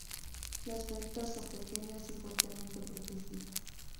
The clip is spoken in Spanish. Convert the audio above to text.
Las ventanas son pequeñas y fuertemente protegidas.